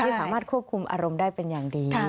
สามารถควบคุมอารมณ์ได้เป็นอย่างดี